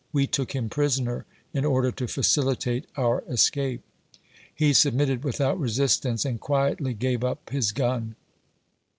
We took him prisoner, in order to facilitate our escape. He submitted without resistance, and quietly gave up his gan.